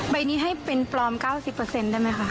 ใบนี้ให้เป็นปลอมเก้าสิบเปอร์เซ็นต์ได้ไหมคะ